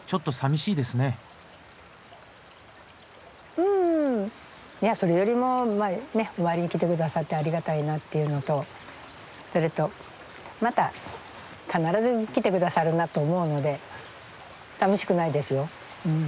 うんいやそれよりもお参りに来てくださってありがたいなっていうのとそれとまた必ず来てくださるなと思うのでさみしくないですようん。